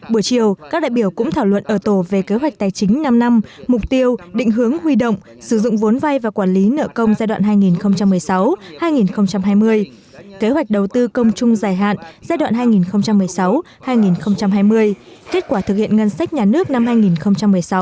buổi chiều các đại biểu cũng thảo luận ở tổ về kế hoạch tài chính năm năm mục tiêu định hướng huy động sử dụng vốn vay và quản lý nợ công giai đoạn hai nghìn một mươi sáu hai nghìn hai mươi kế hoạch đầu tư công trung dài hạn giai đoạn hai nghìn một mươi sáu hai nghìn hai mươi kết quả thực hiện ngân sách nhà nước năm hai nghìn một mươi sáu